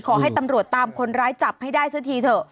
ขอให้ตำรวจตามคนร้ายจับให้ได้สักทีเถอะ